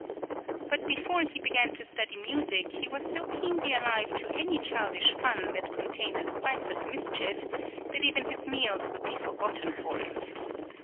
But before he began to {CHILDHOOD.} (22) study music he was so keenly alive to any childish fun that contained a spice of mischief, that even his meals would be forgotten for it.